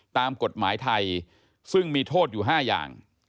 ตามกฎหมายไทยซึ่งมีโทษอยู่๕อย่าง